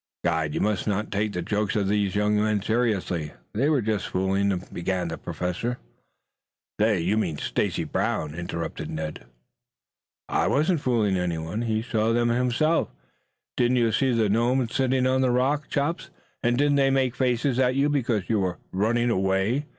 "Guide, you must not take the jokes of these young men seriously. They were just fooling," began the Professor. "They? You mean Stacy Brown," interrupted Ned. "I wasn't fooling anyone. He saw them himself. Didn't you see the gnomes sitting on a rock, Chops, and didn't they make faces at you because you were running away?"